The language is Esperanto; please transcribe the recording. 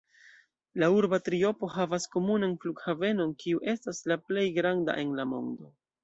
La urba triopo havas komunan flughavenon, kiu estas la plej granda en la mondo.